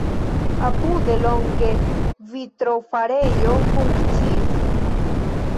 Apude longe vitrofarejo funkciis.